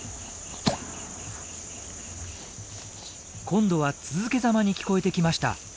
今度は続けざまに聞こえてきました。